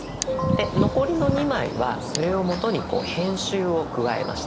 で残りの２枚はそれを元にこう編集を加えました。